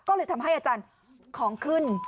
ก็เลยทำให้อาจารย์ของขึ้น